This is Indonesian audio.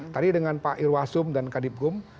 tadi dengan pak irwasum dan kadipkum